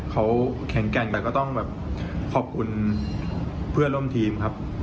เขาแข็งแกร่งแต่ก็ต้องแบบขอบคุณเพื่อนร่วมทีมครับ